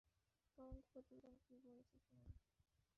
তদন্ত প্রতিবেদন কী বলছে শুনুন।